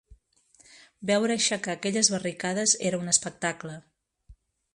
Veure aixecar aquelles barricades era un espectacle